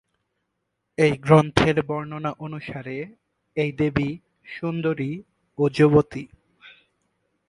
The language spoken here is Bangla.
এই গ্রন্থের বর্ণনা অনুসারে, এই দেবী সুন্দরী ও যুবতী।